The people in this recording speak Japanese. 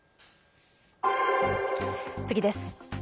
次です。